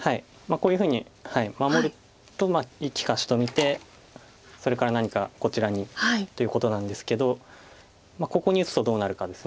こういうふうに守ると利かしと見てそれから何かこちらにということなんですけどここに打つとどうなるかです。